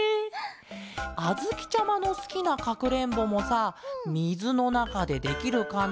あづきちゃまのすきなかくれんぼもさみずのなかでできるかな？